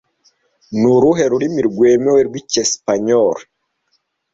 Ni uruhe rurimi rwemewe rw'Icyesipanyoli